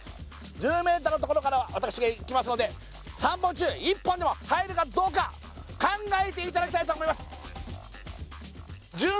１０メーターのところから私がいきますので３本中１本でも入るかどうか考えていただきたいと思います